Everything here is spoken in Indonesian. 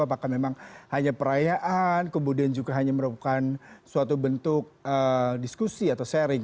apakah memang hanya perayaan kemudian juga hanya merupakan suatu bentuk diskusi atau sharing